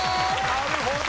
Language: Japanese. なるほど！